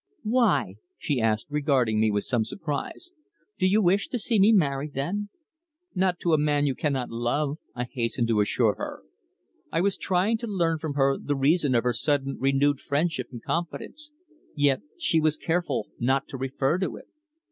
"Why?" she asked, regarding me with some surprise. "Do you wish to see me married, then?" "Not to a man you cannot love," I hastened to assure her. I was trying to learn from her the reason of her sudden renewed friendship and confidence, yet she was careful not to refer to it.